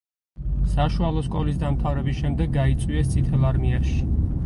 საშუალო სკოლის დამთავრების შემდეგ გაიწვიეს წითელ არმიაში.